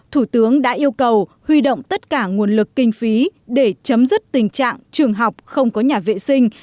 thủ tướng đã yêu cầu huy động tất cả nguồn lực kinh phí để chấm dứt tình trạng trường học không có nhà vệ sinh